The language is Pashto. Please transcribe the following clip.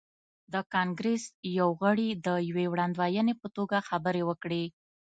د کانګریس یو غړي د یوې وړاندوینې په توګه خبرې وکړې.